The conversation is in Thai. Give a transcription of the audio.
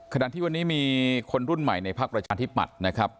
ขณะที่วันนี้มีคนรุ่นใหม่ในพักประชาธิปัตย์นะครับ